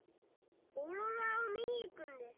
オーロラを見に行くんです。